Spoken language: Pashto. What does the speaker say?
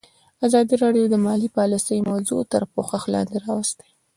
ازادي راډیو د مالي پالیسي موضوع تر پوښښ لاندې راوستې.